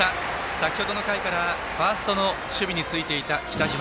先程の回からファーストの守備についていた北嶋。